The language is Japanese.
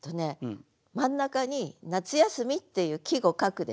真ん中に「夏休」っていう季語書くでしょ。